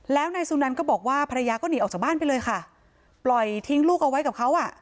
แล้วนายสุนันก็บอกว่าภรรยาก็หนีออกจากบ้านไปเลยค่ะปล่อยทิ้งลูกเอาไว้กับเขาอ่ะ